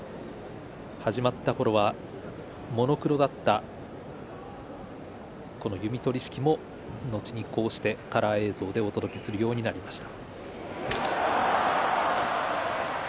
始まったころはモノクロだった弓取り式も後にこうしてカラー映像でお届けするようになりました。